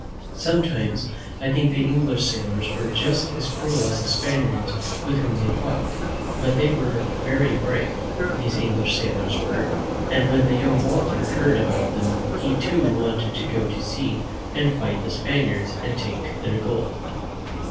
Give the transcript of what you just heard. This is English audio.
Some times I think the English sailors were just as cruel as the Spaniards with whom they fought; but they were very brave, these English sailors were, and when the young Walter heard about them, he, too, wanted to go to sea and fight the ^ Spaniards and take their gold.